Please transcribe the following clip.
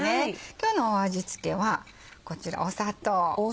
今日の味付けはこちら砂糖。